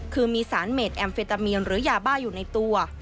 คือมีสารเมดแอมเฟตามีนหรือยาบ้าอยู่ในตัว